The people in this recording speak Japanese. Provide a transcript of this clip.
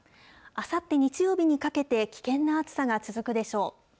あさって日曜日にかけて、危険な暑さが続くでしょう。